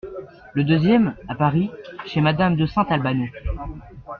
Le deuxième, à Paris, chez madame de Saint-Albano.